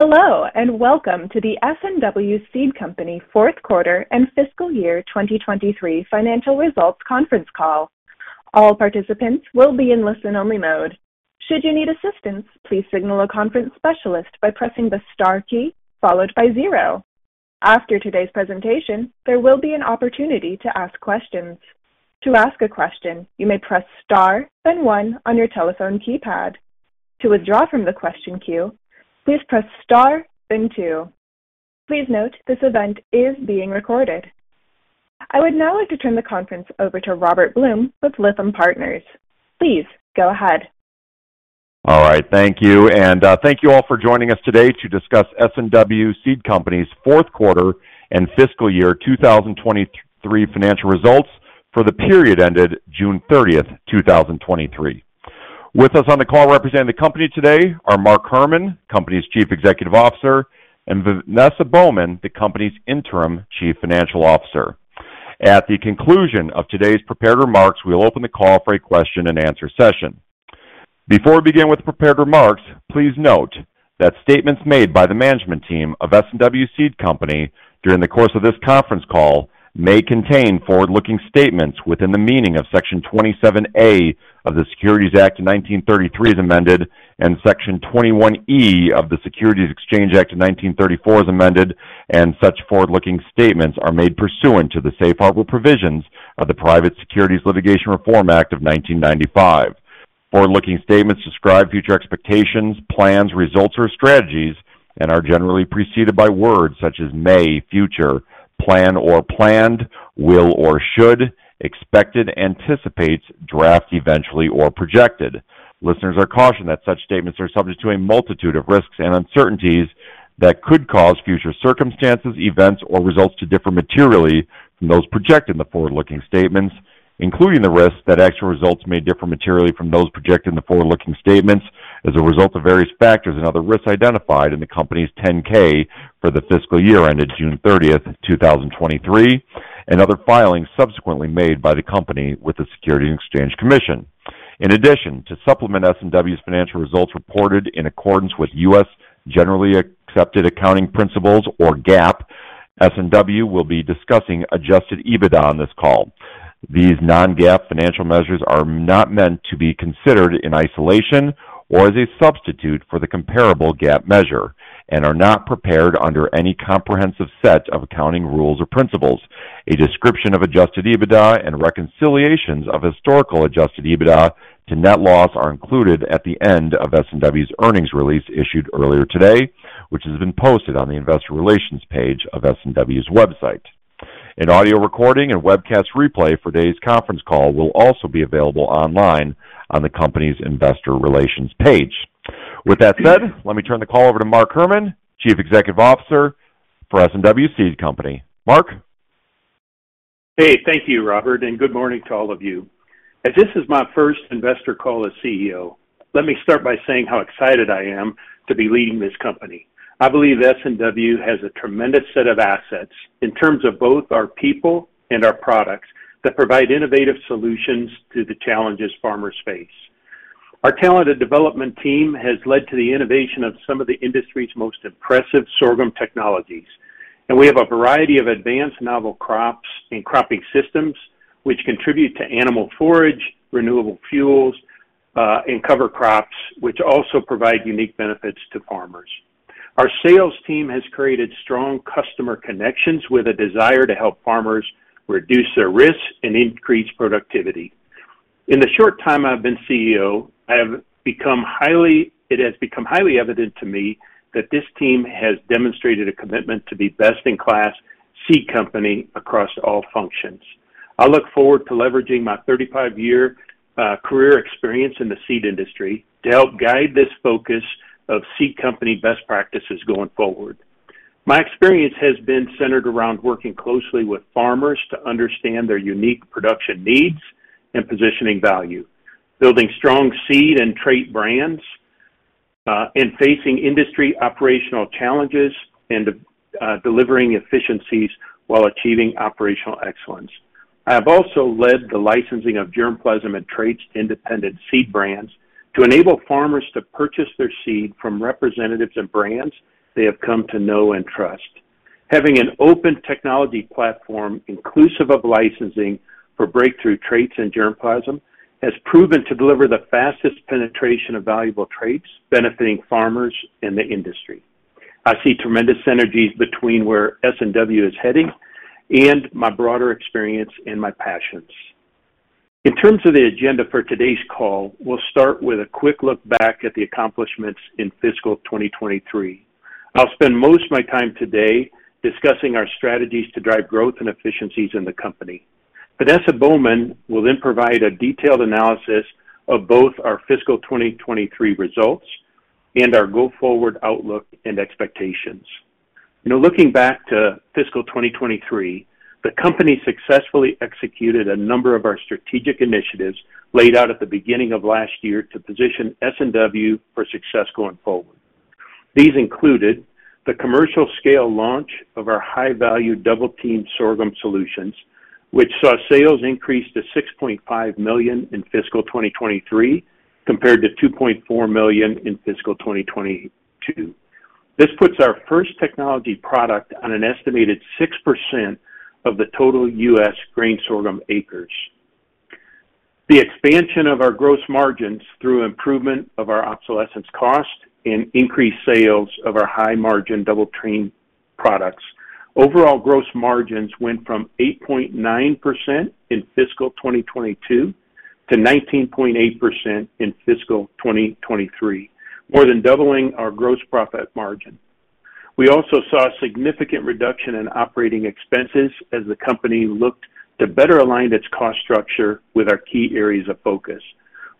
Hello, and welcome to the S&W Seed Company Q4 and fiscal year 2023 financial results conference call. All participants will be in listen-only mode. Should you need assistance, please signal a conference specialist by pressing the star key followed by zero. After today's presentation, there will be an opportunity to ask questions. To ask a question, you may press Star, then one on your telephone keypad. To withdraw from the question queue, please press Star, then two. Please note, this event is being recorded. I would now like to turn the conference over to Robert Blum with Lytham Partners. Please go ahead. All right, thank you, and thank you all for joining us today to discuss S&W Seed Company's Q4 and fiscal year 2023 financial results for the period ended June 30, 2023. With us on the call representing the company today are Mark Herrmann, company's Chief Executive Officer, and Vanessa Baughman, the company's Interim Chief Financial Officer. At the conclusion of today's prepared remarks, we'll open the call for a question-and-answer session. Before we begin with the prepared remarks, please note that statements made by the management team of S&W Seed Company during the course of this conference call may contain forward-looking statements within the meaning of Section 27A of the Securities Act of 1933, as amended, and Section 21E of the Securities Exchange Act of 1934, as amended, and such forward-looking statements are made pursuant to the safe harbor provisions of the Private Securities Litigation Reform Act of 1995. Forward-looking statements describe future expectations, plans, results, or strategies and are generally preceded by words such as may, future, plan or planned, will or should, expected, anticipates, draft, eventually, or projected. Listeners are cautioned that such statements are subject to a multitude of risks and uncertainties that could cause future circumstances, events, or results to differ materially from those projected in the forward-looking statements, including the risks that actual results may differ materially from those projected in the forward-looking statements as a result of various factors and other risks identified in the company's 10-K for the fiscal year ended June 30, 2023, and other filings subsequently made by the company with the Securities and Exchange Commission. In addition, to supplement S&W's financial results reported in accordance with U.S. generally accepted accounting principles or GAAP, S&W will be discussing Adjusted EBITDA on this call. These non-GAAP financial measures are not meant to be considered in isolation or as a substitute for the comparable GAAP measure and are not prepared under any comprehensive set of accounting rules or principles. A description of Adjusted EBITDA and reconciliations of historical Adjusted EBITDA to net loss are included at the end of S&W's earnings release issued earlier today, which has been posted on the investor relations page of S&W's website. An audio recording and webcast replay for today's conference call will also be available online on the company's investor relations page. With that said, let me turn the call over to Mark Herrmann, Chief Executive Officer for S&W Seed Company. Mark? Hey, thank you, Robert, and good morning to all of you. As this is my first investor call as CEO, let me start by saying how excited I am to be leading this company. I believe S&W has a tremendous set of assets in terms of both our people and our products that provide innovative solutions to the challenges farmers face. Our talented development team has led to the innovation of some of the industry's most impressive sorghum technologies, and we have a variety of advanced novel crops and cropping systems, which contribute to animal forage, renewable fuels, and cover crops, which also provide unique benefits to farmers. Our sales team has created strong customer connections with a desire to help farmers reduce their risks and increase productivity. In the short time I've been CEO, it has become highly evident to me that this team has demonstrated a commitment to be best-in-class seed company across all functions. I look forward to leveraging my 35-year career experience in the seed industry to help guide this focus of seed company best practices going forward. My experience has been centered around working closely with farmers to understand their unique production needs and positioning value, building strong seed and trait brands, and facing industry operational challenges and, delivering efficiencies while achieving operational excellence. I have also led the licensing of germplasm and traits independent seed brands to enable farmers to purchase their seed from representatives and brands they have come to know and trust. Having an open technology platform, inclusive of licensing for breakthrough traits and germplasm, has proven to deliver the fastest penetration of valuable traits benefiting farmers and the industry. I see tremendous synergies between where S&W is heading and my broader experience and my passions. In terms of the agenda for today's call, we'll start with a quick look back at the accomplishments in fiscal 2023. I'll spend most of my time today discussing our strategies to drive growth and efficiencies in the company. Vanessa Baughman will then provide a detailed analysis of both our fiscal 2023 results and our go-forward outlook and expectations. Now, looking back to fiscal 2023, the company successfully executed a number of our strategic initiatives laid out at the beginning of last year to position S&W for success going forward. These included the commercial scale launch of our high-value Double Team sorghum solutions.... which saw sales increase to $6.5 million in fiscal 2023, compared to $2.4 million in fiscal 2022. This puts our first technology product on an estimated 6% of the total U.S. grain sorghum acres. The expansion of our gross margins through improvement of our obsolescence cost and increased sales of our high-margin Double Team products, overall gross margins went from 8.9% in fiscal 2022 to 19.8% in fiscal 2023, more than doubling our gross profit margin. We also saw a significant reduction in operating expenses as the company looked to better align its cost structure with our key areas of focus.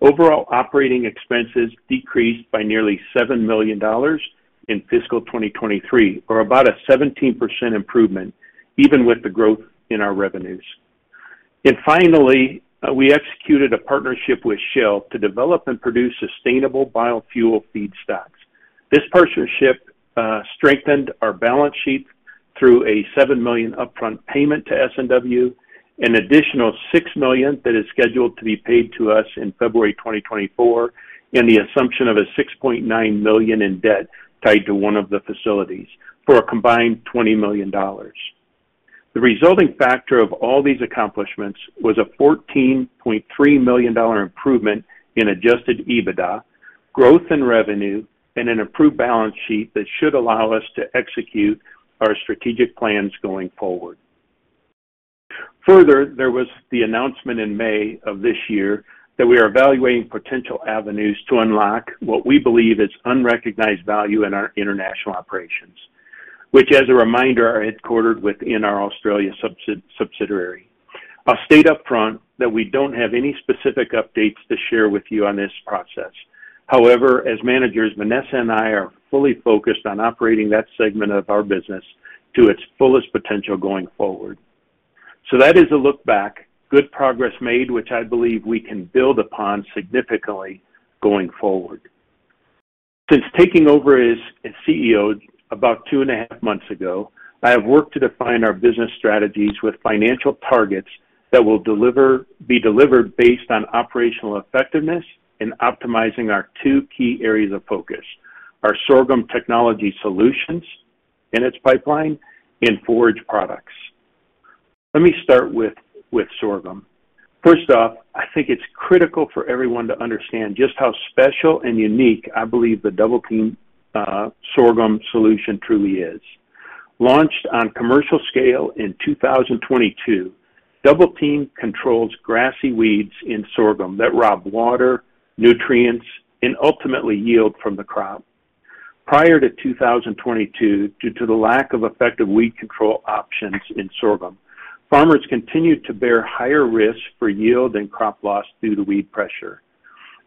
Overall, operating expenses decreased by nearly $7 million in fiscal 2023, or about a 17% improvement, even with the growth in our revenues. Finally, we executed a partnership with Shell to develop and produce sustainable biofuel feedstocks. This partnership strengthened our balance sheet through a $7 million upfront payment to S&W, an additional $6 million that is scheduled to be paid to us in February 2024, and the assumption of a $6.9 million in debt tied to one of the facilities for a combined $20 million. The resulting factor of all these accomplishments was a $14.3 million improvement in adjusted EBITDA, growth in revenue and an improved balance sheet that should allow us to execute our strategic plans going forward. Further, there was the announcement in May of this year that we are evaluating potential avenues to unlock what we believe is unrecognized value in our international operations, which, as a reminder, are headquartered within our Australia subsidiary. I'll state upfront that we don't have any specific updates to share with you on this process. However, as managers, Vanessa and I are fully focused on operating that segment of our business to its fullest potential going forward. That is a look back. Good progress made, which I believe we can build upon significantly going forward. Since taking over as CEO about two and a half months ago, I have worked to define our business strategies with financial targets that will deliver, be delivered based on operational effectiveness and optimizing our two key areas of focus, our sorghum technology solutions and its pipeline and forage products. Let me start with sorghum. First off, I think it's critical for everyone to understand just how special and unique I believe the Double Team sorghum solution truly is. Launched on commercial scale in 2022, Double Team controls grassy weeds in sorghum that rob water, nutrients and ultimately yield from the crop. Prior to 2022, due to the lack of effective weed control options in sorghum, farmers continued to bear higher risk for yield and crop loss due to weed pressure.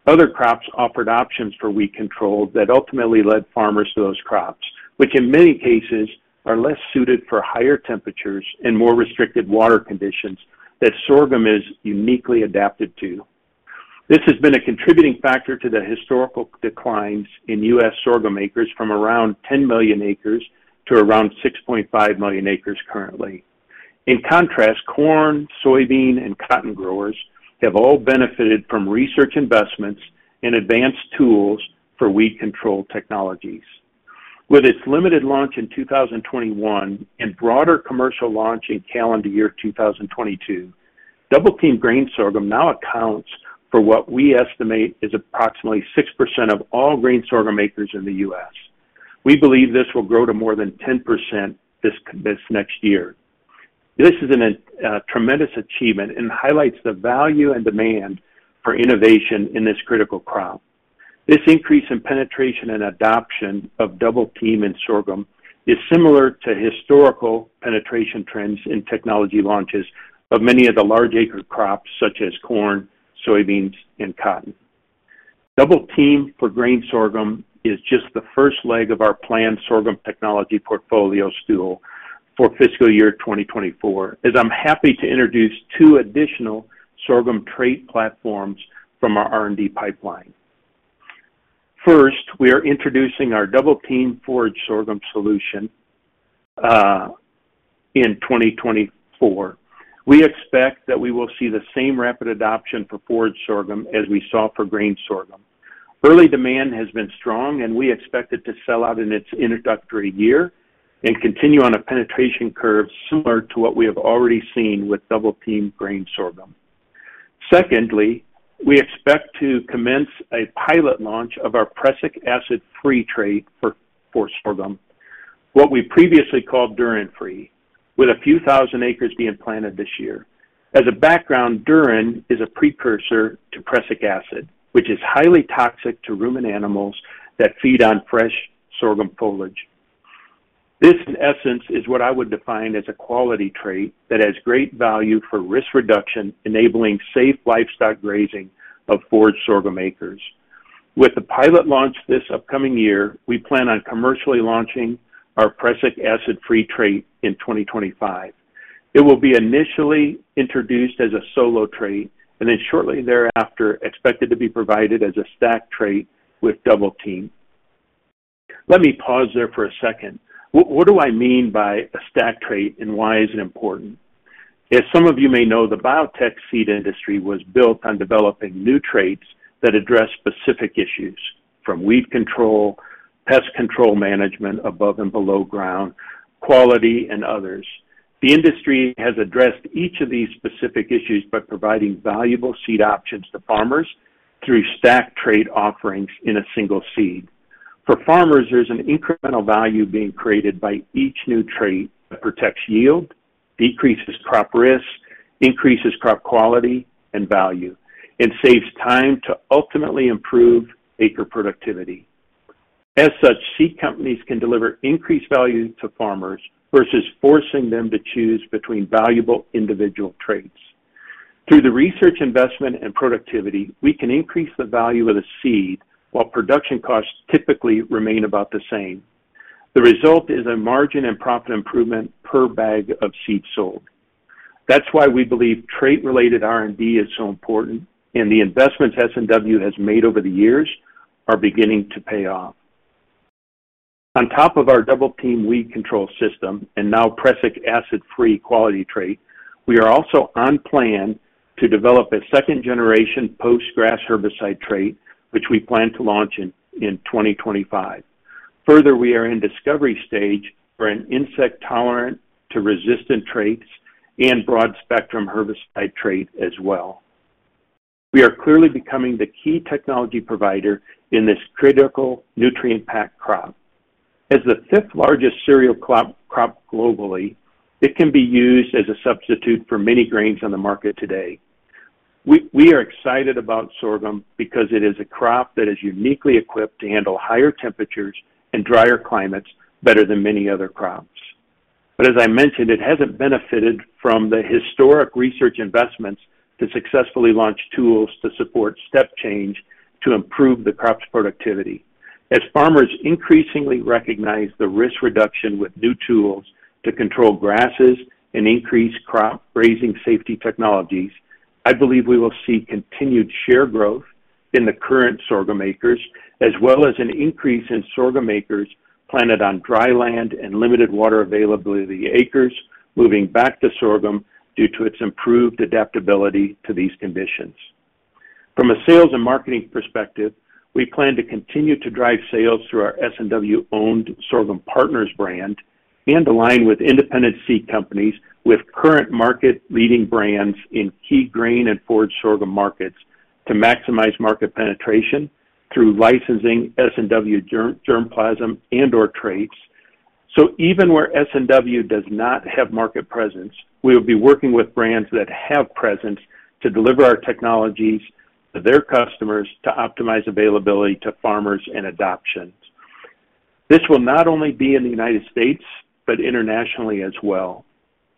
Other crops offered options for weed control that ultimately led farmers to those crops, which in many cases are less suited for higher temperatures and more restricted water conditions that sorghum is uniquely adapted to. This has been a contributing factor to the historical declines in U.S. sorghum acres from around 10 million acres to around 6.5 million acres currently. In contrast, corn, soybean and cotton growers have all benefited from research investments and advanced tools for weed control technologies. With its limited launch in 2021 and broader commercial launch in calendar year 2022, Double Team grain sorghum now accounts for what we estimate is approximately 6% of all grain sorghum acres in the U.S. We believe this will grow to more than 10% this, this next year. This is an tremendous achievement and highlights the value and demand for innovation in this critical crop. This increase in penetration and adoption of Double Team in sorghum is similar to historical penetration trends in technology launches of many of the large acre crops such as corn, soybeans, and cotton. Double Team for grain sorghum is just the first leg of our planned sorghum technology portfolio stool for fiscal year 2024, as I'm happy to introduce 2 additional sorghum trait platforms from our R&D pipeline. First, we are introducing our Double Team forage sorghum solution in 2024. We expect that we will see the same rapid adoption for forage sorghum as we saw for grain sorghum. Early demand has been strong, and we expect it to sell out in its introductory year and continue on a penetration curve similar to what we have already seen with Double Team grain sorghum. Secondly, we expect to commence a pilot launch of our Prussic acid-free trait for sorghum, what we previously called Dhurrin free, with a few thousand acres being planted this year. As a background, Dhurrin is a precursor to prussic acid, which is highly toxic to ruminant animals that feed on fresh sorghum foliage. This, in essence, is what I would define as a quality trait that has great value for risk reduction, enabling safe livestock grazing of forage sorghum acres. With the pilot launch this upcoming year, we plan on commercially launching our Prussic acid-free trait in 2025. It will be initially introduced as a solo trait and then shortly thereafter expected to be provided as a stacked trait with Double Team.... Let me pause there for a second. What, what do I mean by a stack trait, and why is it important? As some of you may know, the biotech seed industry was built on developing new traits that address specific issues, from weed control, pest control management above and below ground, quality, and others. The industry has addressed each of these specific issues by providing valuable seed options to farmers through stack trait offerings in a single seed. For farmers, there's an incremental value being created by each new trait that protects yield, decreases crop risk, increases crop quality and value, and saves time to ultimately improve acre productivity. As such, seed companies can deliver increased value to farmers versus forcing them to choose between valuable individual traits. Through the research, investment, and productivity, we can increase the value of the seed, while production costs typically remain about the same. The result is a margin and profit improvement per bag of seed sold. That's why we believe trait-related R&D is so important, and the investments S&W has made over the years are beginning to pay off. On top of our Double Team weed control system and now Prussic acid-free quality trait, we are also on plan to develop a second-generation post-grass herbicide trait, which we plan to launch in 2025. Further, we are in discovery stage for an insect-tolerant to resistant traits and broad-spectrum herbicide trait as well. We are clearly becoming the key technology provider in this critical nutrient-packed crop. As the fifth-largest cereal crop globally, it can be used as a substitute for many grains on the market today. We are excited about sorghum because it is a crop that is uniquely equipped to handle higher temperatures and drier climates better than many other crops. But as I mentioned, it hasn't benefited from the historic research investments to successfully launch tools to support step change to improve the crop's productivity. As farmers increasingly recognize the risk reduction with new tools to control grasses and increase crop grazing safety technologies, I believe we will see continued share growth in the current sorghum acres, as well as an increase in sorghum acres planted on dry land and limited water availability acres, moving back to sorghum due to its improved adaptability to these conditions. From a sales and marketing perspective, we plan to continue to drive sales through our S&W-owned Sorghum Partners brand and align with independent seed companies with current market-leading brands in key grain and forage sorghum markets to maximize market penetration through licensing S&W germ, germplasm and/or traits. Even where S&W does not have market presence, we will be working with brands that have presence to deliver our technologies to their customers to optimize availability to farmers and adoption. This will not only be in the United States, but internationally as well.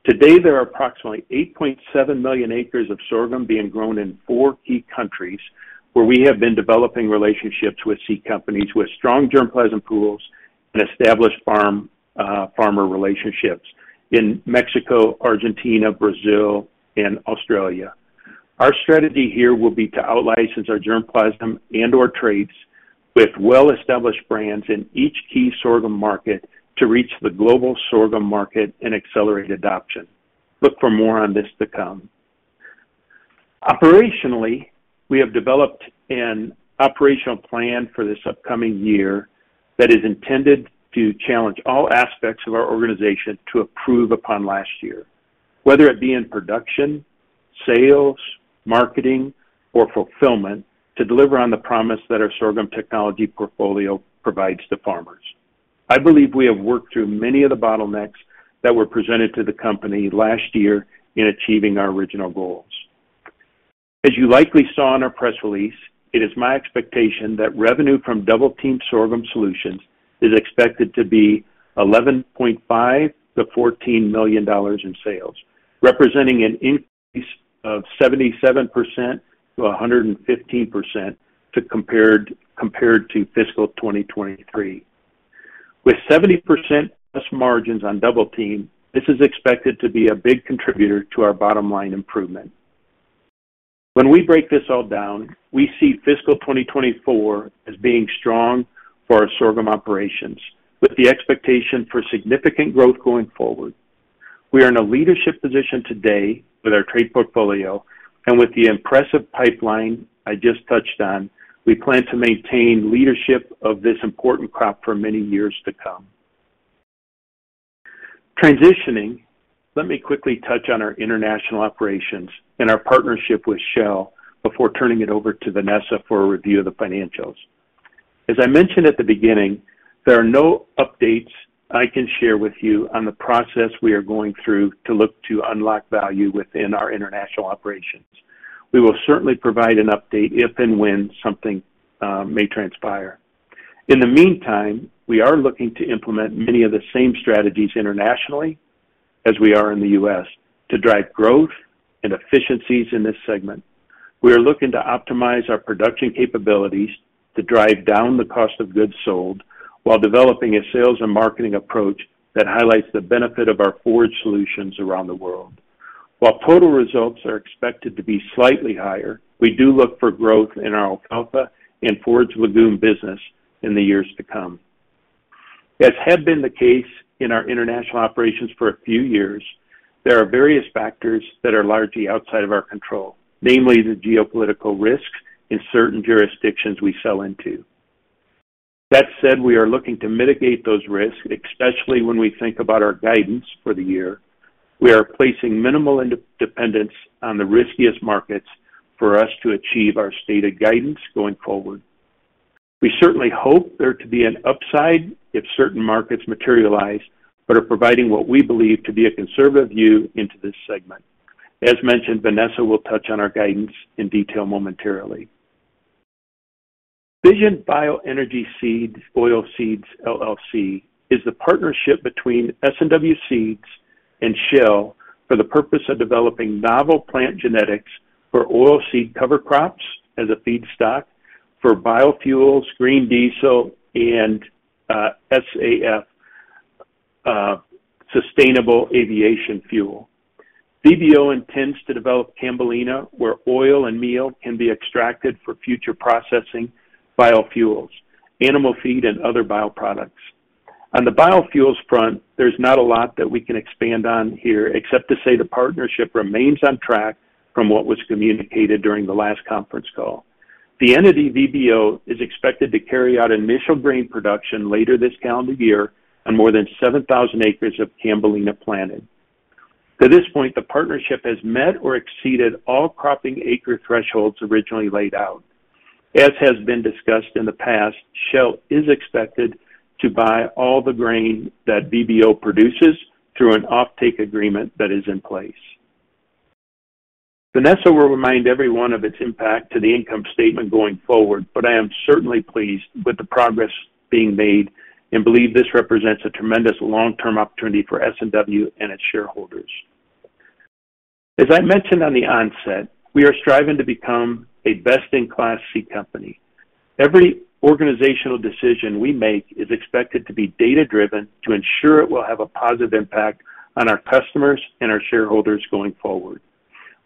Today, there are approximately 8.7 million acres of sorghum being grown in 4 key countries, where we have been developing relationships with seed companies with strong germplasm pools and established farm, farmer relationships in Mexico, Argentina, Brazil, and Australia. Our strategy here will be to outlicense our germplasm and/or traits with well-established brands in each key sorghum market to reach the global sorghum market and accelerate adoption. Look for more on this to come. Operationally, we have developed an operational plan for this upcoming year that is intended to challenge all aspects of our organization to improve upon last year, whether it be in production, sales, marketing, or fulfillment, to deliver on the promise that our sorghum technology portfolio provides to farmers. I believe we have worked through many of the bottlenecks that were presented to the company last year in achieving our original goals. As you likely saw in our press release, it is my expectation that revenue from Double Team Sorghum Solutions is expected to be $11.5-$14 million in sales, representing an increase of 77%-115% compared to fiscal 2023. With 70%+ margins on Double Team, this is expected to be a big contributor to our bottom line improvement. When we break this all down, we see fiscal 2024 as being strong for our sorghum operations, with the expectation for significant growth going forward. We are in a leadership position today with our trade portfolio, and with the impressive pipeline I just touched on, we plan to maintain leadership of this important crop for many years to come. Transitioning, let me quickly touch on our international operations and our partnership with Shell before turning it over to Vanessa for a review of the financials. As I mentioned at the beginning, there are no updates I can share with you on the process we are going through to look to unlock value within our international operations. We will certainly provide an update if and when something may transpire. In the meantime, we are looking to implement many of the same strategies internationally as we are in the US to drive growth and efficiencies in this segment. We are looking to optimize our production capabilities to drive down the cost of goods sold while developing a sales and marketing approach that highlights the benefit of our forage solutions around the world. While total results are expected to be slightly higher, we do look for growth in our alfalfa and forage legume business in the years to come. As had been the case in our international operations for a few years, there are various factors that are largely outside of our control, namely the geopolitical risks in certain jurisdictions we sell into. That said, we are looking to mitigate those risks, especially when we think about our guidance for the year. We are placing minimal dependence on the riskiest markets for us to achieve our stated guidance going forward. We certainly hope there to be an upside if certain markets materialize, but are providing what we believe to be a conservative view into this segment. As mentioned, Vanessa will touch on our guidance in detail momentarily. Vision Bioenergy Oilseeds LLC is the partnership between S&W Seeds and Shell for the purpose of developing novel plant genetics for oilseed cover crops as a feedstock for biofuels, green diesel, and SAF, sustainable aviation fuel. VBO intends to develop camelina, where oil and meal can be extracted for future processing, biofuels, animal feed, and other bioproducts. On the biofuels front, there's not a lot that we can expand on here, except to say the partnership remains on track from what was communicated during the last conference call. The entity, VBO, is expected to carry out initial grain production later this calendar year on more than 7,000 acres of camelina planted. To this point, the partnership has met or exceeded all cropping acre thresholds originally laid out. As has been discussed in the past, Shell is expected to buy all the grain that VBO produces through an offtake agreement that is in place. Vanessa will remind everyone of its impact to the income statement going forward, but I am certainly pleased with the progress being made and believe this represents a tremendous long-term opportunity for S&W and its shareholders. As I mentioned on the onset, we are striving to become a best-in-class seed company. Every organizational decision we make is expected to be data-driven to ensure it will have a positive impact on our customers and our shareholders going forward.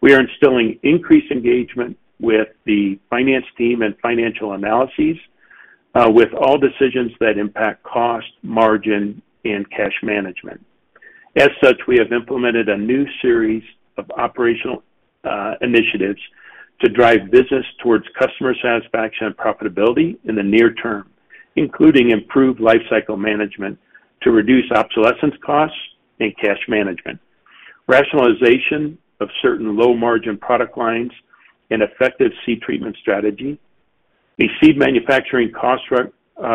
We are instilling increased engagement with the finance team and financial analyses with all decisions that impact cost, margin, and cash management. As such, we have implemented a new series of operational initiatives to drive business towards customer satisfaction and profitability in the near term, including improved lifecycle management to reduce obsolescence costs and cash management, rationalization of certain low-margin product lines, an effective seed treatment strategy, a seed manufacturing cost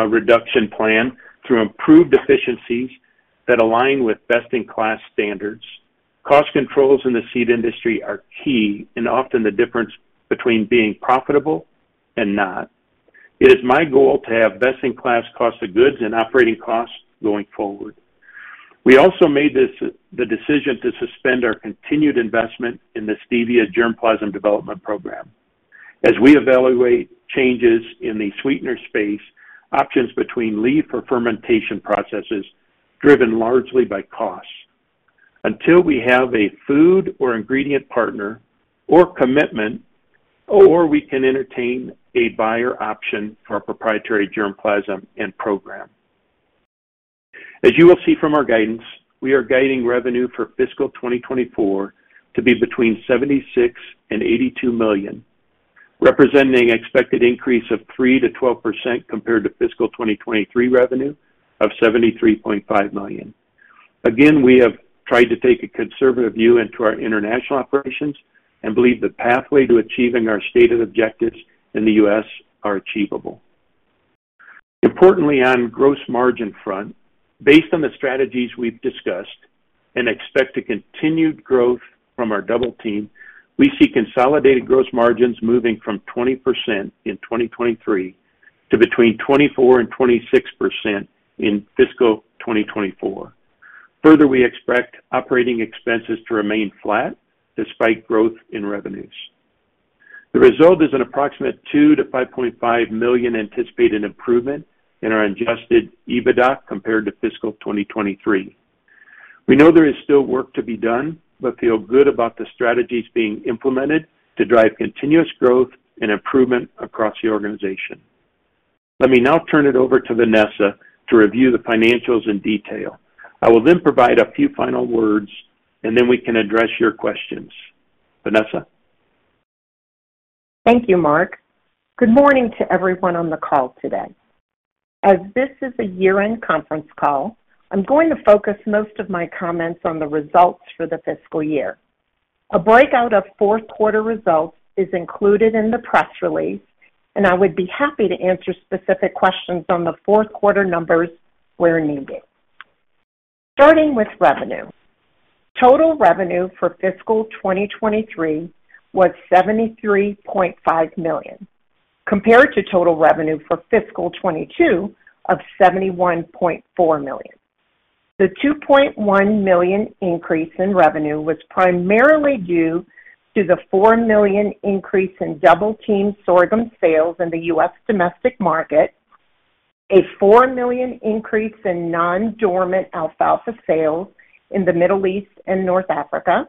reduction plan through improved efficiencies that align with best-in-class standards. Cost controls in the seed industry are key and often the difference between being profitable and not. It is my goal to have best-in-class cost of goods and operating costs going forward. We also made the decision to suspend our continued investment in the stevia germplasm development program. As we evaluate changes in the sweetener space, options between leaf or fermentation processes driven largely by cost. Until we have a food or ingredient partner or commitment, or we can entertain a buyer option for our proprietary germplasm and program. As you will see from our guidance, we are guiding revenue for fiscal 2024 to be between $76 million and $82 million, representing expected increase of 3%-12% compared to fiscal 2023 revenue of $73.5 million. Again, we have tried to take a conservative view into our international operations and believe the pathway to achieving our stated objectives in the U.S. are achievable. Importantly, on gross margin front, based on the strategies we've discussed and expect a continued growth from our Double Team, we see consolidated gross margins moving from 20% in 2023 to between 24% and 26% in fiscal 2024. Further, we expect operating expenses to remain flat despite growth in revenues. The result is an approximate $2-$5.5 million anticipated improvement in our Adjusted EBITDA compared to fiscal 2023. We know there is still work to be done, but feel good about the strategies being implemented to drive continuous growth and improvement across the organization. Let me now turn it over to Vanessa to review the financials in detail. I will then provide a few final words, and then we can address your questions. Vanessa? Thank you, Mark. Good morning to everyone on the call today. As this is a year-end conference call, I'm going to focus most of my comments on the results for the fiscal year. A breakout of Q4 results is included in the press release, and I would be happy to answer specific questions on the Q4 numbers where needed. Starting with revenue. Total revenue for fiscal 2023 was $73.5 million, compared to total revenue for fiscal 2022 of $71.4 million. The $2.1 million increase in revenue was primarily due to the $4 million increase in Double Team sorghum sales in the U.S. domestic market, a $4 million increase in non-dormant alfalfa sales in the Middle East and North Africa,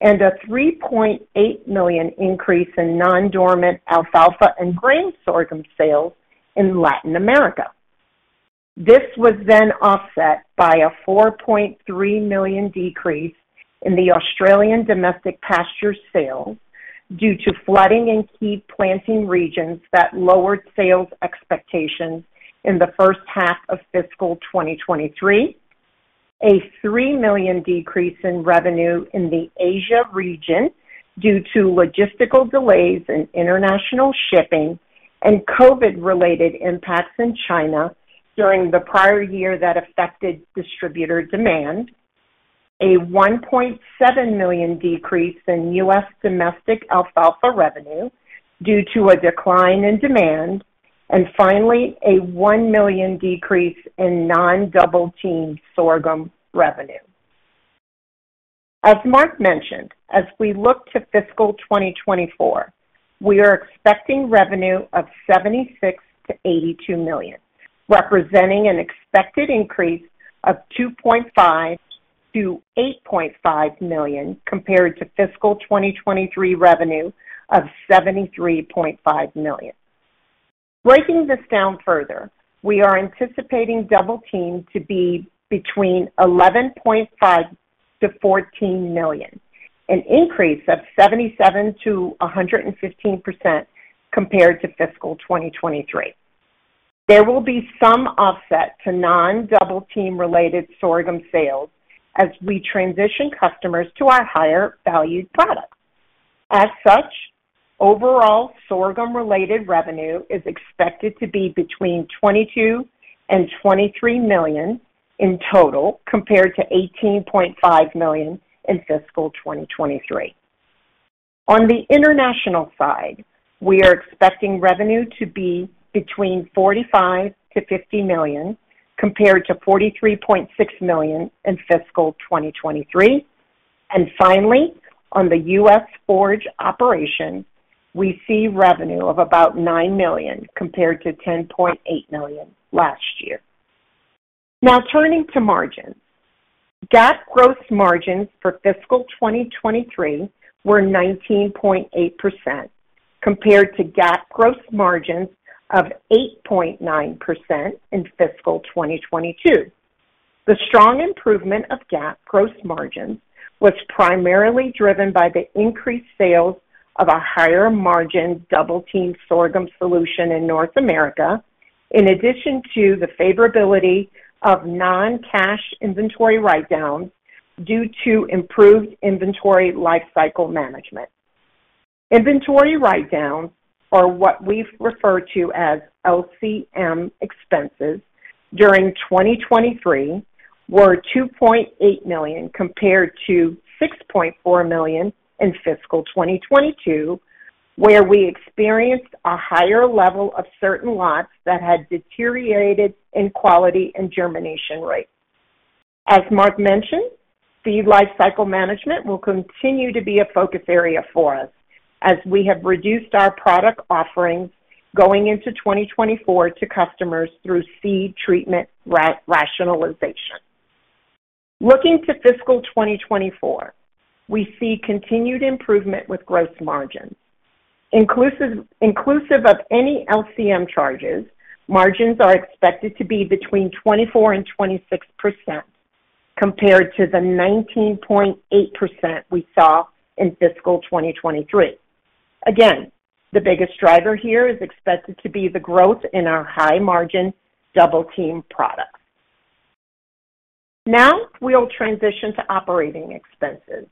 and a $3.8 million increase in non-dormant alfalfa and grain sorghum sales in Latin America. This was then offset by a $4.3 million decrease in the Australian domestic pasture sales due to flooding in key planting regions that lowered sales expectations in the first half of fiscal 2023, a $3 million decrease in revenue in the Asia region due to logistical delays in international shipping and COVID-related impacts in China during the prior year that affected distributor demand, a $1.7 million decrease in U.S. domestic alfalfa revenue due to a decline in demand, and finally, a $1 million decrease in non-Double Team sorghum revenue. As Mark mentioned, as we look to fiscal 2024, we are expecting revenue of $76 million-$82 million, representing an expected increase of $2.5 million-$8.5 million compared to fiscal 2023 revenue of $73.5 million. Breaking this down further, we are anticipating Double Team to be between $11.5 million-$14 million, an increase of 77%-115% compared to fiscal 2023. There will be some offset to non-Double Team-related sorghum sales as we transition customers to our higher-valued products. As such, overall sorghum-related revenue is expected to be between $22 million and $23 million in total, compared to $18.5 million in fiscal 2023. On the international side, we are expecting revenue to be between $45 million-$50 million, compared to $43.6 million in fiscal 2023. Finally, on the U.S. forage operation, we see revenue of about $9 million, compared to $10.8 million last year. Now, turning to margins. GAAP gross margins for fiscal 2023 were 19.8%, compared to GAAP gross margins of 8.9% in fiscal 2022. The strong improvement of GAAP gross margins was primarily driven by the increased sales of a higher-margin Double Team sorghum solution in North America, in addition to the favorability of non-cash inventory write-downs due to improved inventory life cycle management. Inventory write-downs are what we refer to as LCM expenses; during 2023 were $2.8 million, compared to $6.4 million in fiscal 2022, where we experienced a higher level of certain lots that had deteriorated in quality and germination rates. As Mark mentioned, seed life cycle management will continue to be a focus area for us as we have reduced our product offerings going into 2024 to customers through seed treatment rationalization. Looking to fiscal 2024, we see continued improvement with gross margins. Inclusive of any LCM charges, margins are expected to be between 24% and 26% compared to the 19.8% we saw in fiscal 2023. Again, the biggest driver here is expected to be the growth in our high-margin double team products. Now we'll transition to operating expenses.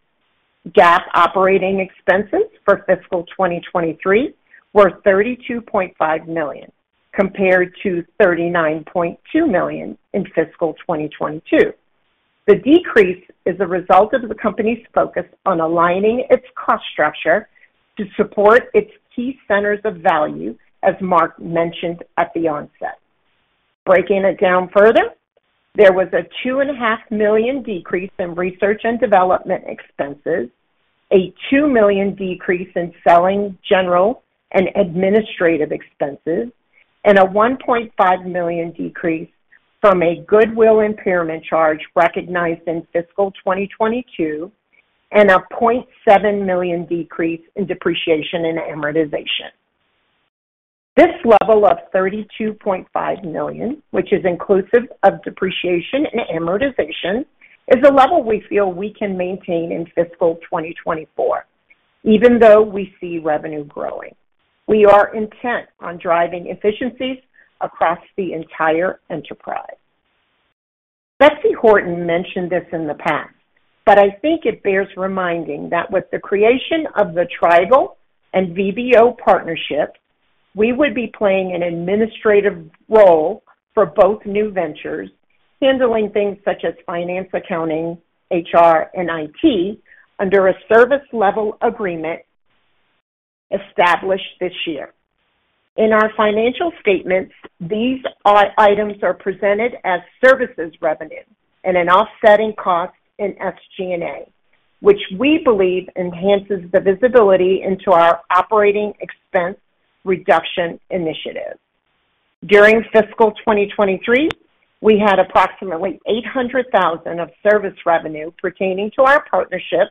GAAP operating expenses for fiscal 2023 were $32.5 million, compared to $39.2 million in fiscal 2022. The decrease is a result of the company's focus on aligning its cost structure to support its key centers of value, as Mark mentioned at the onset. Breaking it down further, there was a $2.5 million decrease in research and development expenses, a $2 million decrease in selling, general, and administrative expenses, and a $1.5 million decrease from a goodwill impairment charge recognized in fiscal 2022, and a $0.7 million decrease in depreciation and amortization. This level of $32.5 million, which is inclusive of depreciation and amortization, is a level we feel we can maintain in fiscal 2024, even though we see revenue growing. We are intent on driving efficiencies across the entire enterprise. Betsy Horton mentioned this in the past, but I think it bears reminding that with the creation of the Trigall and VBO partnership, we would be playing an administrative role for both new ventures, handling things such as finance, accounting, HR, and IT under a service-level agreement established this year. In our financial statements, these items are presented as services revenue and an offsetting cost in SG&A, which we believe enhances the visibility into our operating expense reduction initiative. During fiscal 2023, we had approximately $800,000 of service revenue pertaining to our partnership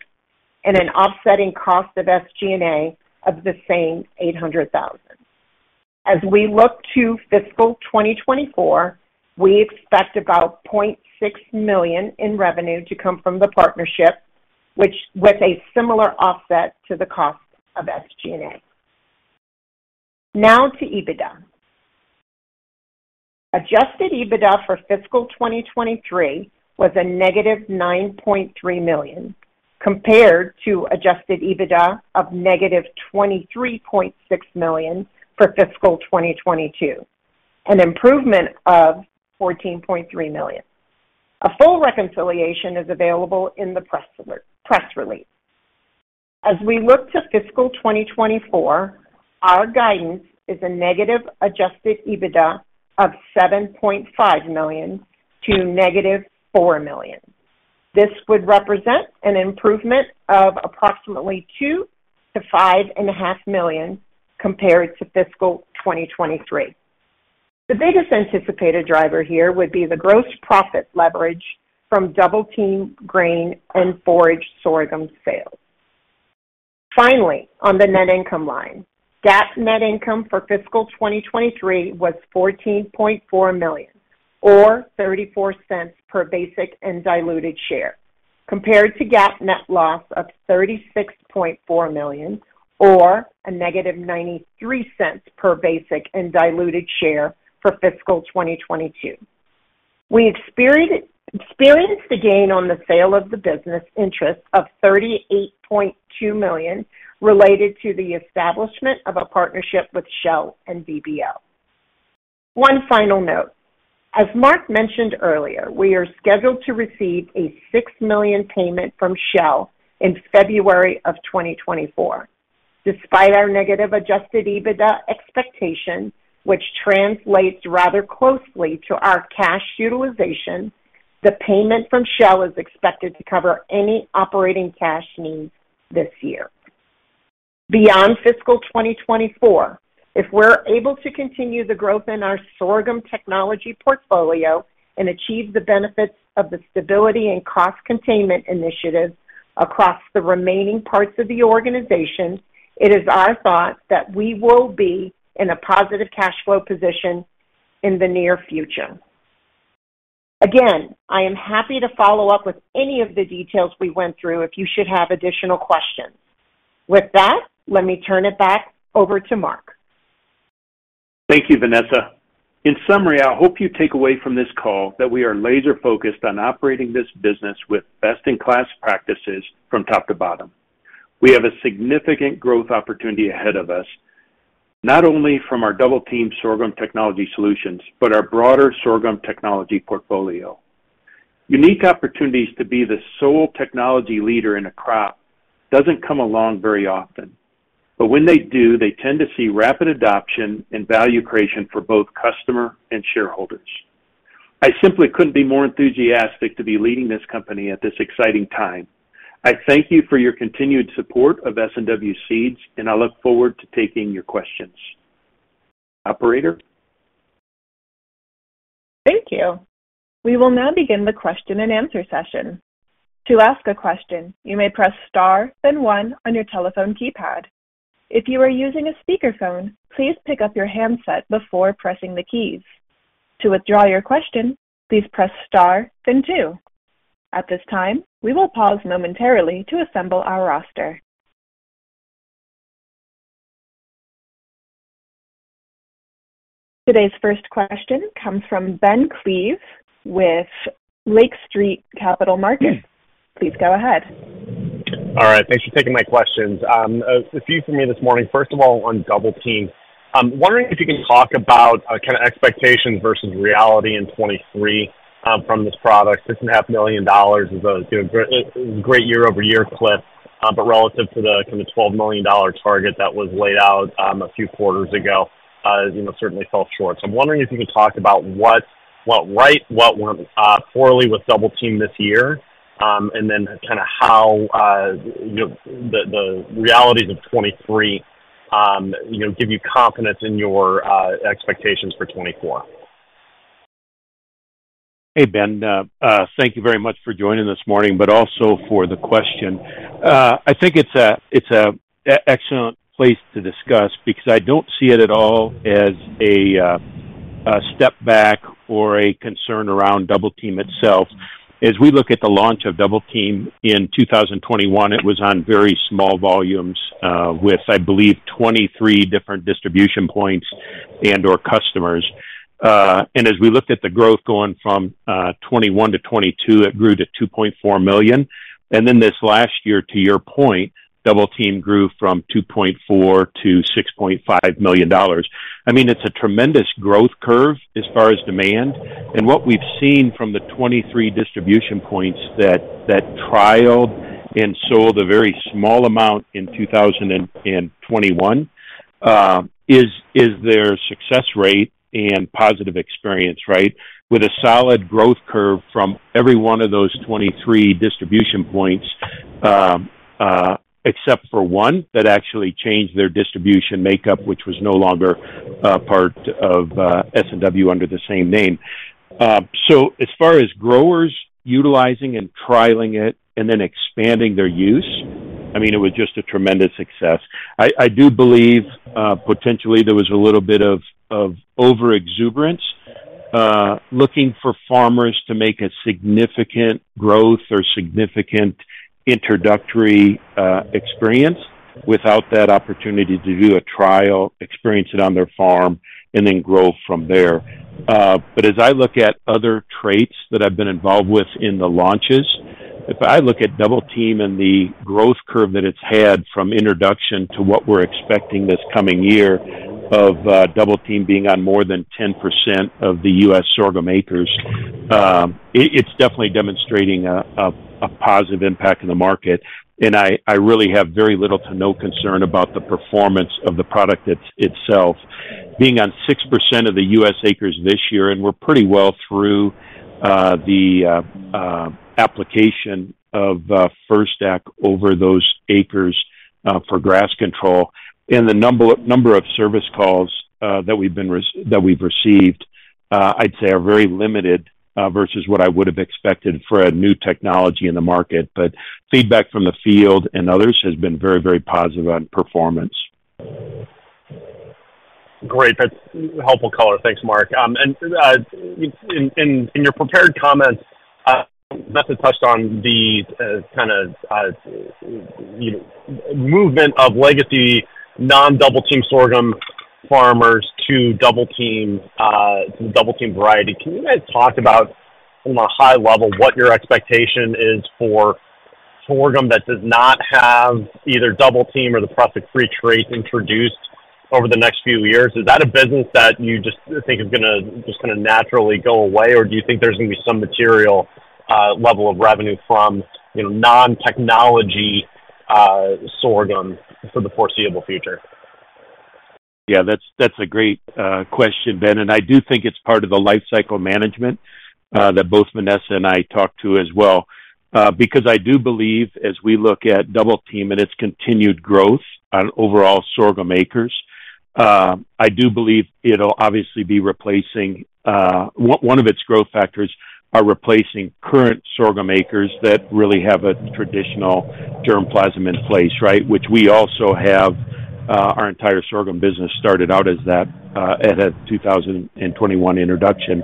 and an offsetting cost of SG&A of the same $800,000. As we look to fiscal 2024, we expect about $0.6 million in revenue to come from the partnership, which with a similar offset to the cost of SG&A. Now to EBITDA. Adjusted EBITDA for fiscal 2023 was -$9.3 million, compared to adjusted EBITDA of -$23.6 million for fiscal 2022, an improvement of $14.3 million. A full reconciliation is available in the press release. As we look to fiscal 2024, our guidance is a negative adjusted EBITDA of -$7.5 million to -$4 million. This would represent an improvement of approximately $2-$5.5 million compared to fiscal 2023. The biggest anticipated driver here would be the gross profit leverage from Double Team grain and forage sorghum sales. Finally, on the net income line, GAAP net income for fiscal 2023 was $14.4 million, or $0.34 per basic and diluted share, compared to GAAP net loss of $36.4 million, or -$0.93 per basic and diluted share for fiscal 2022. We experienced a gain on the sale of the business interest of $38.2 million related to the establishment of a partnership with Shell and VBO. One final note: as Mark mentioned earlier, we are scheduled to receive a $6 million payment from Shell in February 2024. Despite our negative adjusted EBITDA expectation, which translates rather closely to our cash utilization, the payment from Shell is expected to cover any operating cash needs this year. Beyond fiscal 2024, if we're able to continue the growth in our sorghum technology portfolio and achieve the benefits of the stability and cost containment initiative across the remaining parts of the organization, it is our thought that we will be in a positive cash flow position in the near future. Again, I am happy to follow up with any of the details we went through if you should have additional questions. With that, let me turn it back over to Mark. Thank you, Vanessa. In summary, I hope you take away from this call that we are laser-focused on operating this business with best-in-class practices from top to bottom. We have a significant growth opportunity ahead of us, not only from our Double Team sorghum technology solutions, but our broader sorghum technology portfolio. Unique opportunities to be the sole technology leader in a crop doesn't come along very often, but when they do, they tend to see rapid adoption and value creation for both customer and shareholders. I simply couldn't be more enthusiastic to be leading this company at this exciting time. I thank you for your continued support of S&W Seeds, and I look forward to taking your questions. Operator? Thank you. We will now begin the question-and-answer session. To ask a question, you may press Star, then one on your telephone keypad. If you are using a speakerphone, please pick up your handset before pressing the keys. To withdraw your question, please press Star, then two. At this time, we will pause momentarily to assemble our roster. Today's first question comes from Ben Klieve with Lake Street Capital Markets. Please go ahead. All right. Thanks for taking my questions. A few for me this morning. First of all, on Double Team, I'm wondering if you can talk about, kind of expectations versus reality in 2023 from this product. $6.5 million is a great, great year-over-year clip, but relative to the kind of $12 million target that was laid out a few quarters ago, you know, certainly fell short. I'm wondering if you could talk about what went right, what went poorly with Double Team this year, and then kind of how the realities of 2023, you know, give you confidence in your expectations for 2024. Hey, Ben, thank you very much for joining this morning, but also for the question. I think it's a, it's an excellent place to discuss because I don't see it at all as a step back or a concern around Double Team itself. As we look at the launch of Double Team in 2021, it was on very small volumes with, I believe, 23 different distribution points and/or customers. As we looked at the growth going from 2021 to 2022, it grew to $2.4 million. Then this last year, to your point, Double Team grew from $2.4 million to $6.5 million. I mean, it's a tremendous growth curve as far as demand. What we've seen from the 23 distribution points that trialed and sold a very small amount in 2021 is their success rate and positive experience, right? With a solid growth curve from every one of those 23 distribution points, except for one that actually changed their distribution makeup, which was no longer part of S&W under the same name. As far as growers utilizing and trialing it and then expanding their use, I mean, it was just a tremendous success. I do believe potentially there was a little bit of overexuberance looking for farmers to make a significant growth or significant introductory experience without that opportunity to do a trial, experience it on their farm, and then grow from there. But as I look at other traits that I've been involved with in the launches, if I look at Double Team and the growth curve that it's had from introduction to what we're expecting this coming year of Double Team being on more than 10% of the U.S. sorghum acres, it's definitely demonstrating a positive impact in the market. I really have very little to no concern about the performance of the product itself. Being on 6% of the U.S. acres this year, and we're pretty well through the application of FirstAct over those acres for grass control. The number of service calls that we've received, I'd say are very limited versus what I would have expected for a new technology in the market. Feedback from the field and others has been very, very positive on performance. Great. That's helpful color. Thanks, Mark. In your prepared comments, Vanessa touched on the kind of, you know, movement of legacy non-Double Team sorghum farmers to Double Team, to the Double Team variety. Can you guys talk about, from a high level, what your expectation is for sorghum that does not have either Double Team or the Prussic free trait introduced over the next few years? Is that a business that you just think is gonna just kinda naturally go away, or do you think there's going to be some material level of revenue from, you know, non-technology sorghum for the foreseeable future? Yeah, that's a great question, Ben, and I do think it's part of the lifecycle management that both Vanessa and I talked to as well. Because I do believe as we look at Double Team and its continued growth on overall sorghum acres, I do believe it'll obviously be replacing... One of its growth factors are replacing current sorghum acres that really have a traditional germplasm in place, right? Which we also have, our entire sorghum business started out as that, at a 2021 introduction.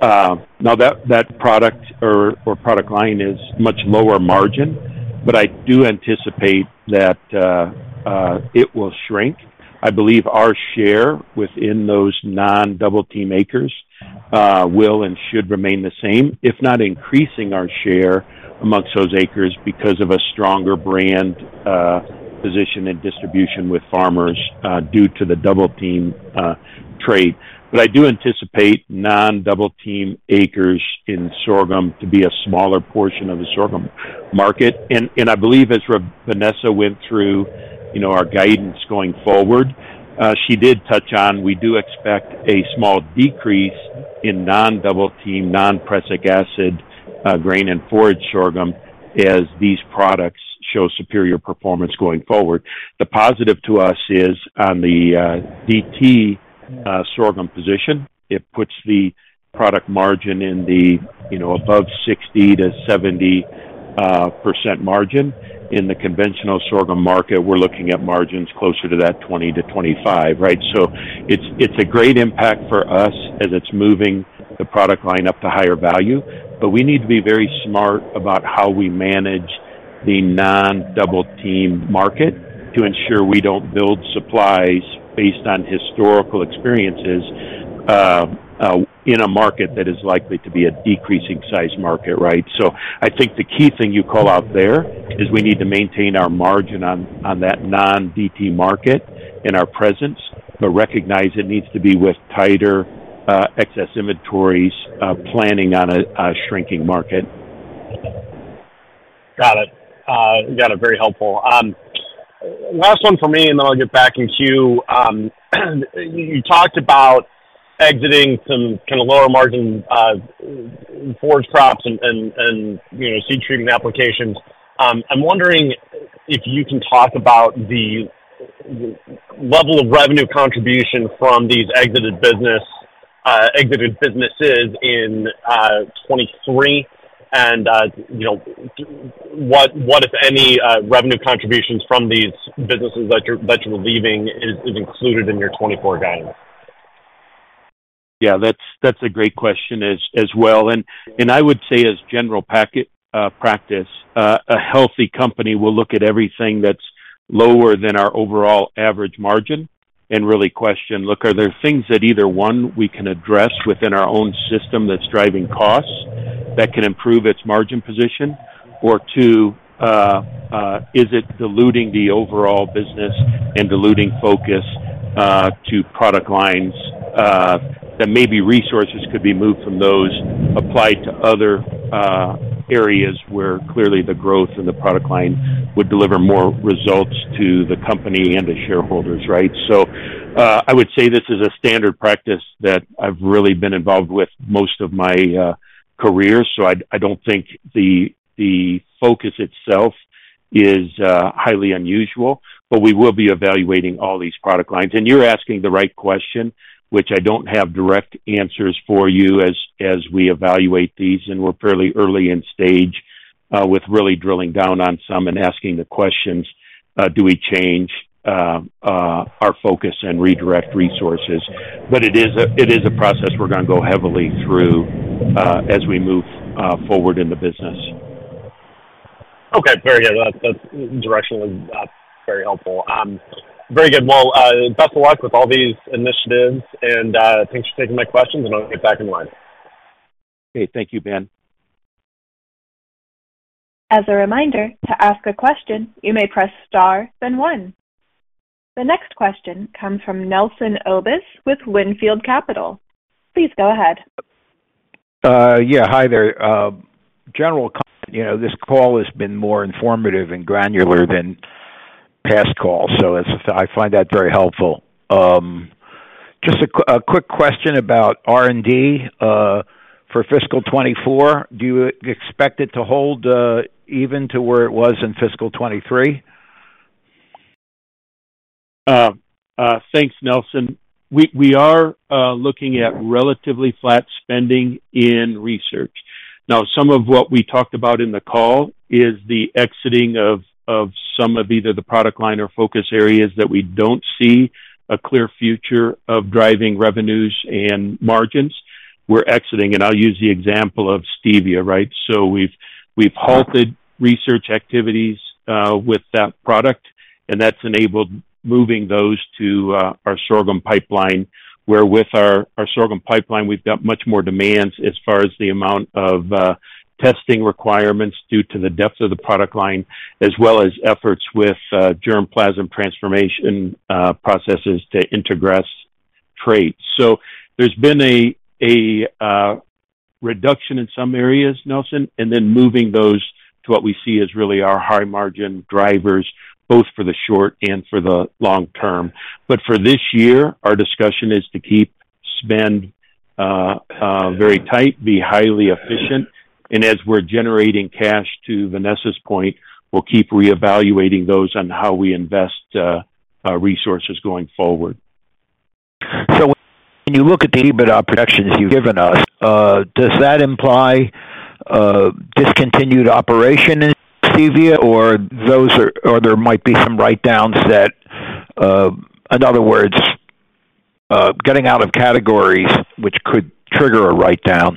Now that product or product line is much lower margin, but I do anticipate that it will shrink. I believe our share within those non-Double Team acres will and should remain the same, if not increasing our share amongst those acres because of a stronger brand position and distribution with farmers due to the Double Team trait. But I do anticipate non-Double Team acres in sorghum to be a smaller portion of the sorghum market. I believe as Vanessa went through, you know, our guidance going forward, she did touch on, we do expect a small decrease in non-Double Team, non-prussic acid grain and forage sorghum as these products show superior performance going forward. The positive to us is on the DT sorghum position. It puts the product margin in the, you know, above 60%-70% margin. In the conventional sorghum market, we're looking at margins closer to that 20-25, right? It's, it's a great impact for us as it's moving the product line up to higher value, but we need to be very smart about how we manage the non-Double Team market to ensure we don't build supplies based on historical experiences, in a market that is likely to be a decreasing size market, right? I think the key thing you call out there is we need to maintain our margin on, on that non-DT market and our presence, but recognize it needs to be with tighter, excess inventories, planning on a shrinking market. Got it. Got it. Very helpful. Last one for me, and then I'll get back in queue. You talked about exiting some kinda lower margin, forage crops and, and, and, you know, seed treating applications. I'm wondering if you can talk about the, the level of revenue contribution from these exited business, exited businesses in, 2023. What, what, if any, revenue contributions from these businesses that you're, that you're leaving is, is included in your 2024 guidance? Yeah, that's a great question as well. I would say as general practice, a healthy company will look at everything that's lower than our overall average margin and really question, look, are there things that either, one, we can address within our own system that's driving costs? That can improve its margin position? Or two, is it diluting the overall business and diluting focus to product lines that maybe resources could be moved from those applied to other areas where clearly the growth in the product line would deliver more results to the company and the shareholders, right? I would say this is a standard practice that I've really been involved with most of my career, so I don't think the focus itself is highly unusual. But we will be evaluating all these product lines. You're asking the right question, which I don't have direct answers for you as we evaluate these, and we're fairly early in stage with really drilling down on some and asking the questions, do we change our focus and redirect resources? But it is a process we're going to go heavily through as we move forward in the business. Okay, very good. That, that directionally, very helpful. Very good. Well, best of luck with all these initiatives, and, thanks for taking my questions, and I'll get back in line. Okay. Thank you, Ben. As a reminder, to ask a question, you may press Star, then one. The next question comes from Nelson Obus with Wynnefield Capital. Please go ahead. Yeah, hi there. General, you know, this call has been more informative and granular than past calls, so it's. I find that very helpful. Just a quick question about R&D for fiscal 2024. Do you expect it to hold even to where it was in fiscal 2023? Thanks, Nelson. We are looking at relatively flat spending in research. Now, some of what we talked about in the call is the exiting of some of either the product line or focus areas that we don't see a clear future of driving revenues and margins. We're exiting, and I'll use the example of stevia, right? We've halted research activities with that product, and that's enabled moving those to our sorghum pipeline, where with our sorghum pipeline, we've got much more demands as far as the amount of testing requirements due to the depth of the product line, as well as efforts with germplasm transformation processes to integrate traits. There's been a reduction in some areas, Nelson, and then moving those to what we see as really our high margin drivers, both for the short and for the long term. But for this year, our discussion is to keep spend very tight, be highly efficient, and as we're generating cash to Vanessa's point, we'll keep reevaluating those on how we invest resources going forward. When you look at the EBITDA projections you've given us, does that imply discontinued operation in stevia or there might be some write-downs that... In other words, getting out of categories which could trigger a write-down.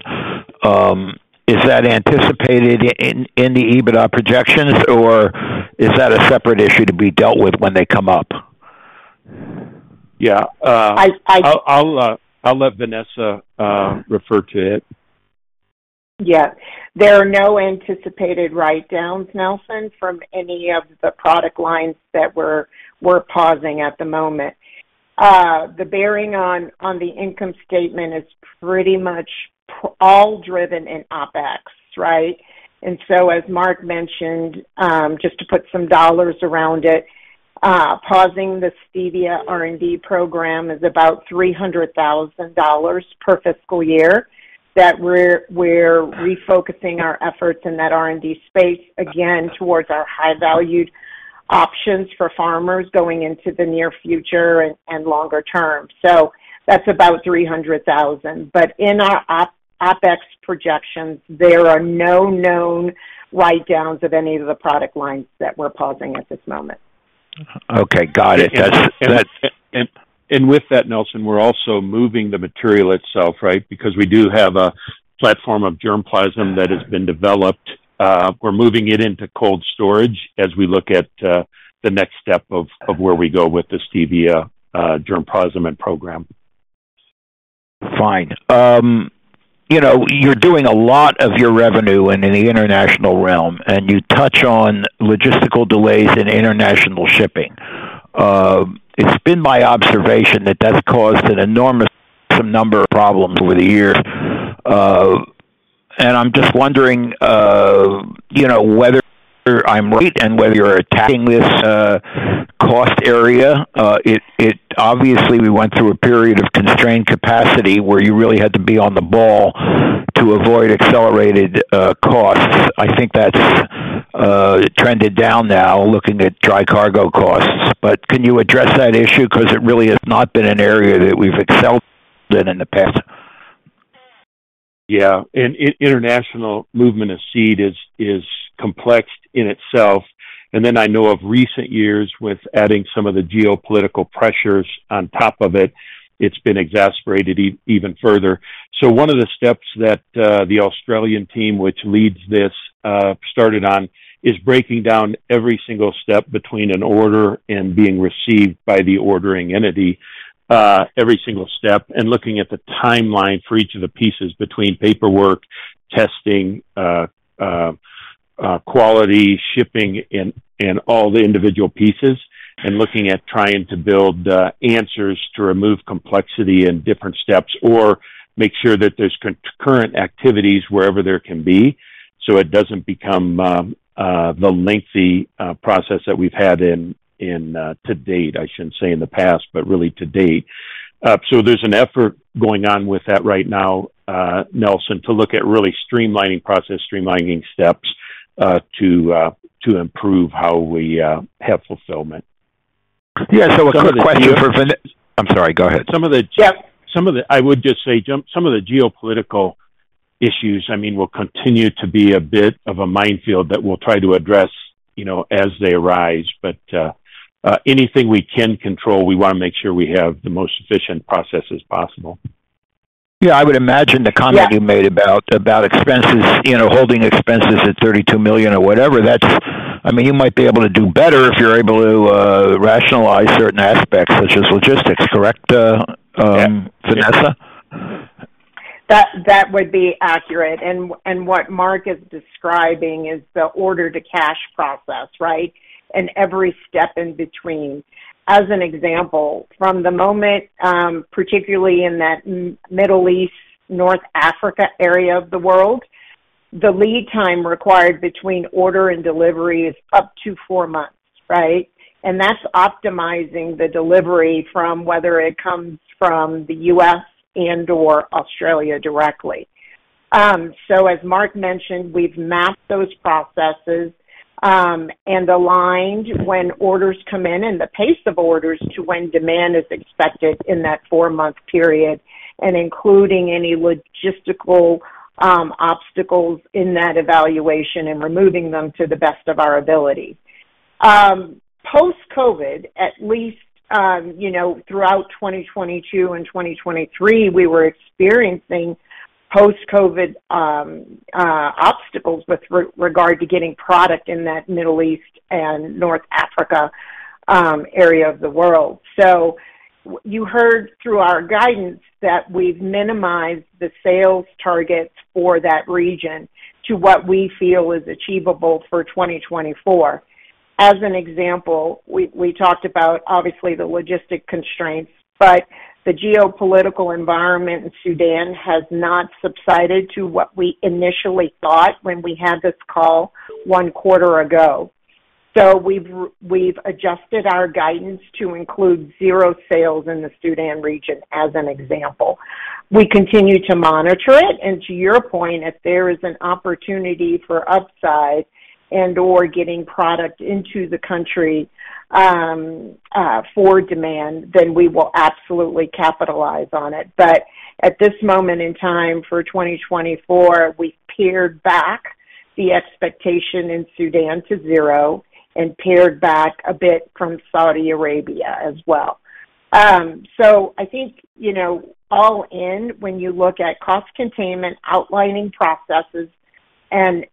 Is that anticipated in the EBITDA projections, or is that a separate issue to be dealt with when they come up? Yeah, uh- I, I- I'll let Vanessa refer to it. Yeah. There are no anticipated write-downs, Nelson, from any of the product lines that we're pausing at the moment. The bearing on the income statement is pretty much all driven in OpEx, right? As Mark mentioned, just to put some dollars around it, pausing the stevia R&D program is about $300,000 per fiscal year. That we're refocusing our efforts in that R&D space, again, towards our high-valued options for farmers going into the near future and longer term. That's about $300,000. But in our OpEx projections, there are no known write-downs of any of the product lines that we're pausing at this moment. Okay, got it. With that, Nelson, we're also moving the material itself, right? Because we do have a platform of germplasm that has been developed. We're moving it into cold storage as we look at the next step of where we go with the stevia germplasm and program. Fine. You're doing a lot of your revenue and in the international realm, and you touch on logistical delays in international shipping. It's been my observation that that's caused an enormous some number of problems over the years. I'm just wondering, you know, whether I'm right and whether you're attacking this cost area. It, it obviously we went through a period of constrained capacity where you really had to be on the ball to avoid accelerated costs. I think that's trended down now, looking at dry cargo costs. But can you address that issue? Because it really has not been an area that we've excelled in, in the past. Yeah. International movement of seed is, is complex in itself. Then I know of recent years with adding some of the geopolitical pressures on top of it, it's been exacerbated even further. One of the steps that, the Australian team, which leads this, started on, is breaking down every single step between an order and being received by the ordering entity.... every single step and looking at the timeline for each of the pieces between paperwork, testing, quality, shipping, and all the individual pieces, and looking at trying to build, answers to remove complexity in different steps or make sure that there's concurrent activities wherever there can be, so it doesn't become, the lengthy, process that we've had in, to date. I shouldn't say in the past, but really to date. There's an effort going on with that right now, Nelson, to look at really streamlining process, streamlining steps, to improve how we have fulfillment. Yeah, so a quick question for Vane- I'm sorry, go ahead. Some of the- Yeah. Some of the geopolitical issues, I mean, will continue to be a bit of a minefield that we'll try to address, you know, as they arise. But, anything we can control, we wanna make sure we have the most efficient processes possible. Yeah, I would imagine the comment- Yeah... you made about expenses, you know, holding expenses at $32 million or whatever, that's, I mean, you might be able to do better if you're able to rationalize certain aspects, such as logistics. Correct, Vanessa? That, that would be accurate. What Mark is describing is the order to cash process, right? And every step in between. As an example, from the moment, particularly in that Middle East, North Africa area of the world, the lead time required between order and delivery is up to four months, right? And that's optimizing the delivery from whether it comes from the US and/or Australia directly. As Mark mentioned, we've mapped those processes, and aligned when orders come in and the pace of orders to when demand is expected in that four-month period, and including any logistical obstacles in that evaluation and removing them to the best of our ability. Post-COVID, at least, you know, throughout 2022 and 2023, we were experiencing post-COVID obstacles with regard to getting product in that Middle East and North Africa area of the world. You heard through our guidance that we've minimized the sales targets for that region to what we feel is achievable for 2024. As an example, we talked about obviously the logistic constraints, but the geopolitical environment in Sudan has not subsided to what we initially thought when we had this call one quarter ago. We've adjusted our guidance to include 0 sales in the Sudan region, as an example. We continue to monitor it, and to your point, if there is an opportunity for upside and/or getting product into the country for demand, then we will absolutely capitalize on it. But at this moment in time, for 2024, we've pared back the expectation in Sudan to zero and pared back a bit from Saudi Arabia as well. I think, you know, all in, when you look at cost containment, outlining processes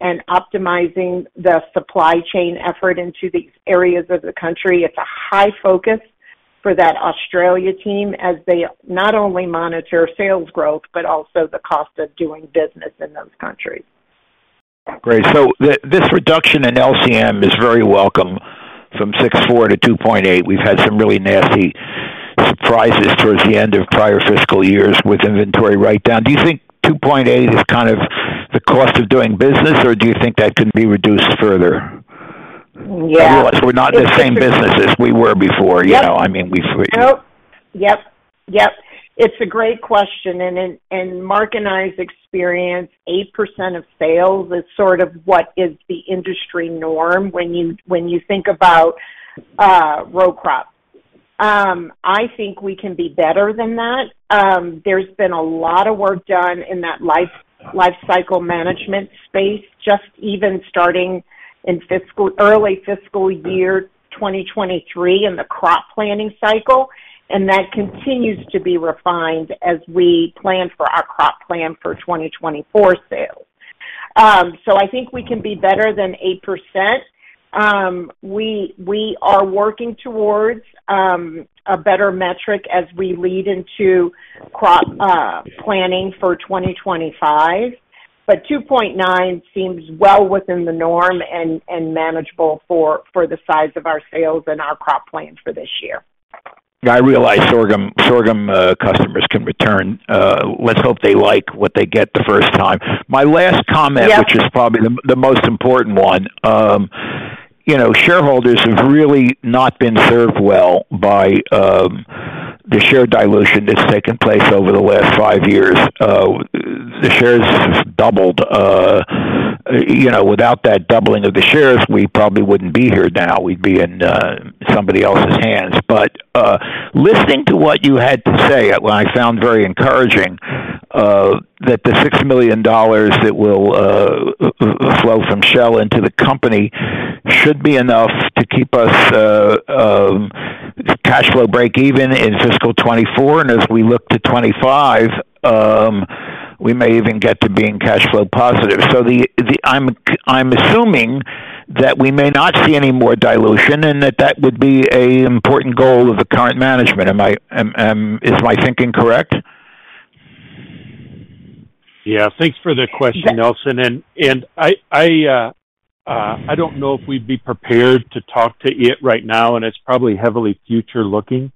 and optimizing the supply chain effort into these areas of the country, it's a high focus for that Australia team as they not only monitor sales growth, but also the cost of doing business in those countries. Great. This reduction in LCM is very welcome, from $64 to $2.8. We've had some really nasty surprises towards the end of prior fiscal years with inventory write-down. Do you think 2.8 is kind of the cost of doing business, or do you think that can be reduced further? Yeah. We're not in the same business as we were before- Yep. You know, I mean, we- Nope. Yep. Yep. It's a great question, and in Mark and I's experience, 8% of sales is sort of what is the industry norm when you think about row crops. I think we can be better than that. There's been a lot of work done in that life cycle management space, just even starting in fiscal early fiscal year 2023 in the crop planning cycle, and that continues to be refined as we plan for our crop plan for 2024 sales. I think we can be better than 8%. We are working towards a better metric as we lead into crop planning for 2025. But 2.9 seems well within the norm and manageable for the size of our sales and our crop plan for this year. Yeah, I realize sorghum, sorghum, customers can return. Let's hope they like what they get the first time. My last comment- Yep. which is probably the most important one. You know, shareholders have really not been served well by the share dilution that's taken place over the last 5 years. The shares doubled. You know, without that doubling of the shares, we probably wouldn't be here now. We'd be in somebody else's hands. But listening to what you had to say, well, I found very encouraging that the $6 million that will flow from Shell into the company should be enough to keep us cash flow break even in fiscal 2024. As we look to 2025, we may even get to being cash flow positive. I'm assuming that we may not see any more dilution and that that would be an important goal of the current management. Am I, is my thinking correct? Yeah, thanks for the question, Nelson. I don't know if we'd be prepared to talk to it right now, and it's probably heavily future-looking.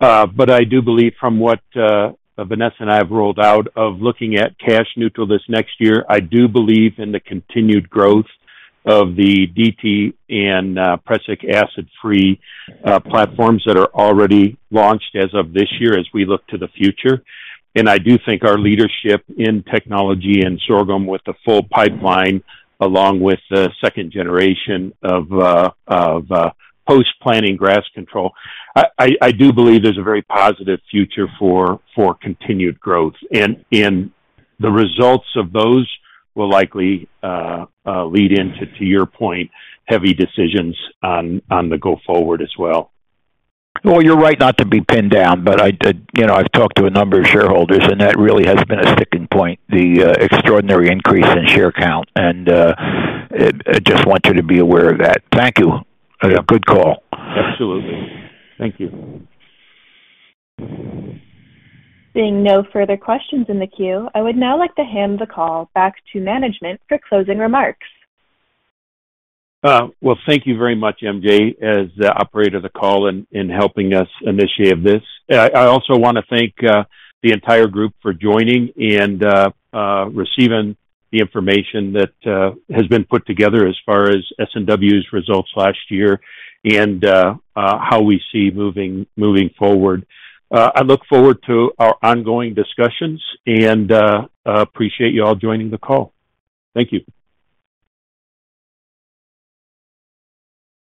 But I do believe from what Vanessa and I have rolled out of looking at cash neutral this next year, I do believe in the continued growth of the DT and Prussic acid-free platforms that are already launched as of this year, as we look to the future. I do think our leadership in technology and sorghum with the full pipeline, along with the second generation of post-planting grass control, I do believe there's a very positive future for continued growth. The results of those will likely lead into, to your point, heavy decisions on the go forward as well. Well, you're right not to be pinned down, but I did, you know, I've talked to a number of shareholders, and that really has been a sticking point, the extraordinary increase in share count, and I just want you to be aware of that. Thank you. Yeah, good call. Absolutely. Thank you. Seeing no further questions in the queue, I would now like to hand the call back to management for closing remarks. Well, thank you very much, MJ, as the operator of the call and helping us initiate this. I also want to thank the entire group for joining and receiving the information that has been put together as far as S&W's results last year and how we see moving forward. I look forward to our ongoing discussions and appreciate you all joining the call. Thank you.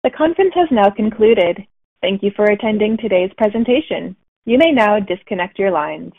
The conference has now concluded. Thank you for attending today's presentation. You may now disconnect your lines.